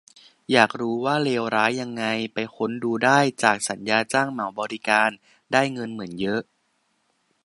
อยากรู้ว่าเลวร้ายยังไง ไปค้นดูได้จาก "สัญญาจ้างเหมาบริการ" ได้เงินเหมือนเยอะ